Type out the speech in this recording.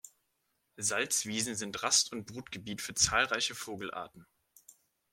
Salzwiesen sind Rast- und Brutgebiet für zahlreiche Vogelarten.